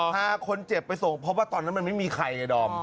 พาคนเจ็บไปส่งเพราะว่าตอนนั้นมันไม่มีใครไงดอม